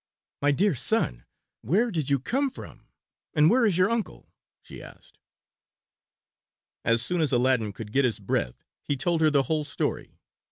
"My dear son, where did you come from, and where is your uncle?" she asked. As soon as Aladdin could get his breath he told her the whole story.